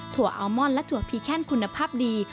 ถั่วอัลมอนด์และถั่วพีแค่นคุณภาพดี